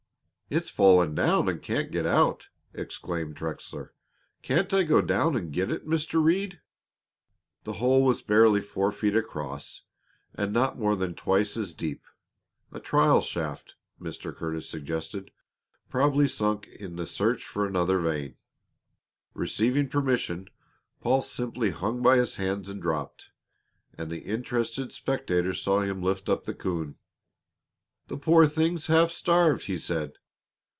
"It's fallen down and can't get out!" exclaimed Trexler. "Can't I go down and get it, Mr. Reed?" The hole was barely four feet across and not more than twice as deep a trial shaft, Mr. Curtis suggested, probably sunk in the search for another vein. Receiving permission, Paul simply hung by his hands and dropped, and the interested spectators saw him lift up the coon. "The poor thing's half starved," he said.